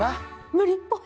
無理っぽい。